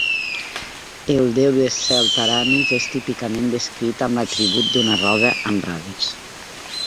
El déu de cel Taranis és típicament descrit amb l'atribut d'una roda amb radis.